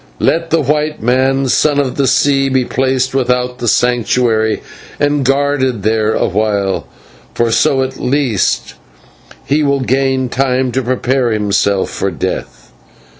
"Let the white man, Son of the Sea, be placed without the Sanctuary and guarded there awhile, for so at least he will gain time to prepare himself for death.